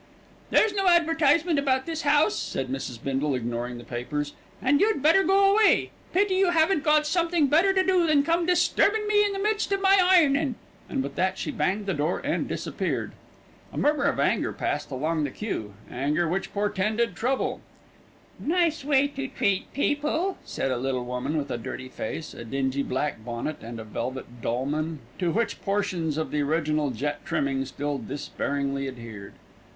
"There's no advertisement about this house," said Mrs. Bindle, ignoring the papers, "and you'd better go away. Pity you haven't got something better to do than to come disturbin' me in the midst of my ironin'," and with that she banged the door and disappeared. A murmur of anger passed along the queue, anger which portended trouble. "Nice way to treat people," said a little woman with a dirty face, a dingy black bonnet and a velvet dolman, to which portions of the original jet trimming still despairingly adhered.